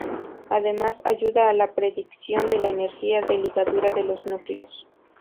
Además ayuda en la predicción de la energía de ligadura de los núcleos.